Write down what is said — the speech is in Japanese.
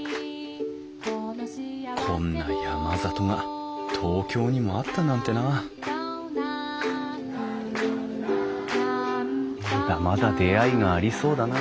こんな山里が東京にもあったなんてなあまだまだ出会いがありそうだな。